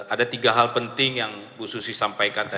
ada tiga hal penting yang bu susi sampaikan